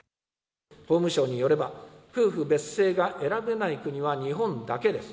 法務省によれば、夫婦別姓が選べない国は日本だけです。